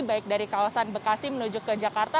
baik dari kawasan bekasi menuju ke jakarta